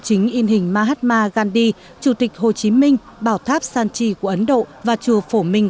chính in hình mahatma gandhi chủ tịch hồ chí minh bảo tháp sanchi của ấn độ và chùa phổ minh